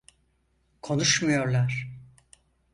Konuşmuyorlar.